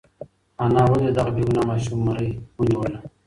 انا ولې د دغه بېګناه ماشوم مرۍ ونیوله؟